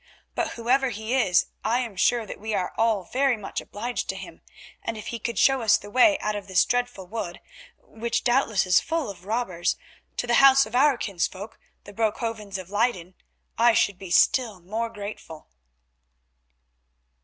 But whoever he is I am sure that we are all very much obliged to him, and if he could show us the way out of this dreadful wood, which doubtless is full of robbers, to the house of our kinsfolk, the Broekhovens of Leyden, I should be still more grateful."